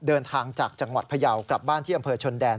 เดินทางจากจังหวัดพยาวกลับบ้านที่อำเภอชนแดน